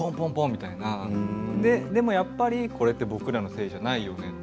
でも、やっぱりこれって僕らのせいじゃないよねと。